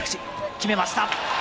決めました。